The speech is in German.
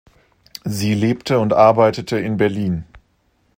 Sie lebte und arbeitete in Berlin.